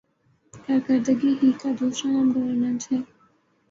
کارکردگی ہی کا دوسرا نام گورننس ہے۔